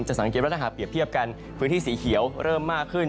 สังเกตว่าถ้าหากเปรียบเทียบกันพื้นที่สีเขียวเริ่มมากขึ้น